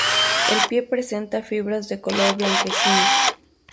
El pie presenta fibras de color blanquecino.